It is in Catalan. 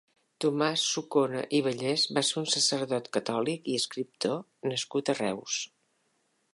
Tomàs Sucona i Vallès va ser un sacerdot catòlic i escriptor nascut a Reus.